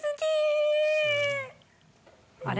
あれ？